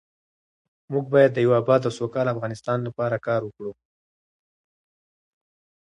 موږ باید د یو اباد او سوکاله افغانستان لپاره کار وکړو.